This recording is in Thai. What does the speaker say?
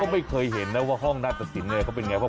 ก็ไม่เคยเห็นนะว่าห้องนัตตสินเนี่ยเขาเป็นอย่างไร